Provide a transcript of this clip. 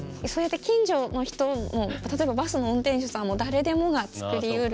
近所の人も、例えばバスの運転手さんでも誰でもが作りうる。